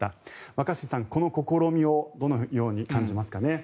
若新さん、この試みをどのように感じますか。